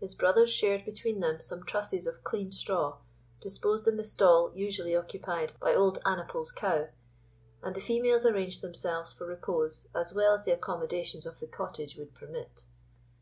His brothers shared between them some trusses of clean straw, disposed in the stall usually occupied by old Annaple's cow; and the females arranged themselves for repose as well as the accommodations of the cottage would permit.